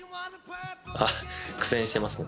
ああ苦戦してますね。